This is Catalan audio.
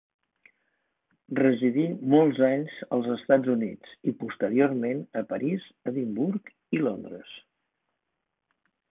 Residí molts anys als Estats Units i posteriorment a París, Edimburg i Londres.